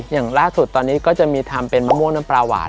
อย่างล่าสุดตอนนี้ก็จะมีทำเป็นมะม่วงน้ำปลาหวาน